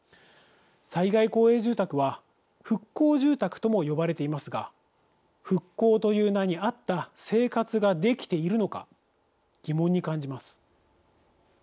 災害公営住宅は復興住宅とも呼ばれていますが復興という名に合った生活ができているのか、疑問に感じます。